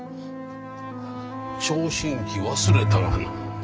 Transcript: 聴診器忘れたがな。